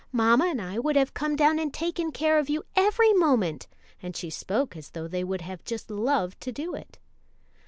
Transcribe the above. Mamma and I would have come down and taken care of you every moment and she spoke as though they would have just loved to do it.